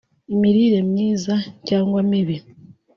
imirire myiza cyangwa mibi